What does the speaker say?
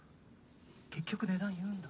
結局値段言うんだ」。